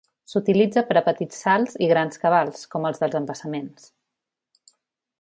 S'utilitza per a petits salts i grans cabals, com els dels embassaments.